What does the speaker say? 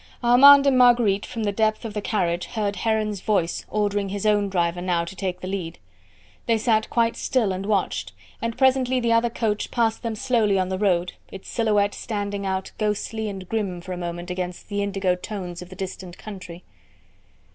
Armand and Marguerite from the depth of the carriage heard Heron's voice ordering his own driver now to take the lead. They sat quite still and watched, and presently the other coach passed them slowly on the road, its silhouette standing out ghostly and grim for a moment against the indigo tones of the distant country.